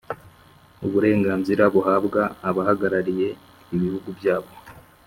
uburenganzira buhabwa abahagarariye ibihugu byabo